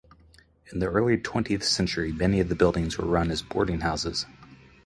In the early twentieth century, many of the buildings were run as boarding houses.